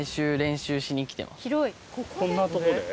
こんなとこで？